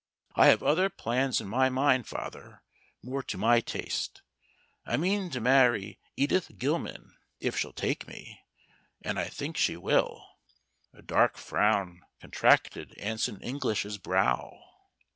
I have other plans in my mind, father, more to my taste. I mean to marry Edith Gilman, if she'll take me, and I think she will." A dark frown contracted Anson English's brow.